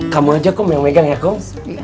kamu aja kum yang megang ya kum